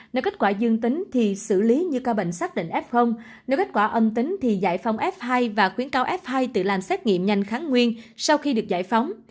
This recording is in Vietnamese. nếu kết quả dương tính thì xử lý như ca bệnh xác định f nếu kết quả âm tính thì giải phong f hai và khuyến cáo f hai tự làm xét nghiệm nhanh kháng nguyên sau khi được giải phóng